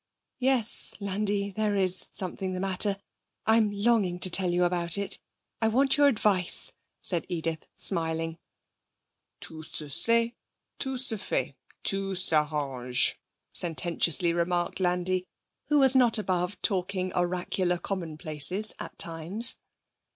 'Yes, Landi, there is something the matter. I'm longing to tell you about it. I want your advice,' said Edith, smiling. 'Tout se sait; tout se fait; tout s'arrange,' sententiously remarked Landi, who was not above talking oracular commonplaces at times.